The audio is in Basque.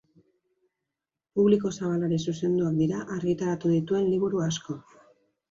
Publiko zabalari zuzenduak dira argitaratu dituen liburu asko.